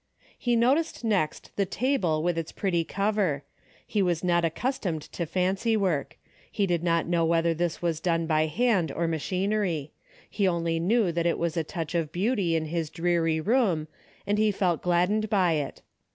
He noticed next the table with its pretty cover. He was not accustomed to fancy work. He did not know whether this was done by hand or machinery. He only knew that it was a touch of beauty in his dreary room and he felt gladdened by it.